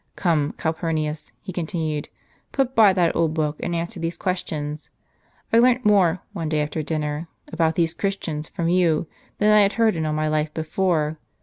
Come, Calpurnius," he continued, "put by that old book, and answer these questions. I learnt more, one day after dinner, about these Christians from you, than I had heard in all my life before.